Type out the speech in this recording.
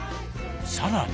更に。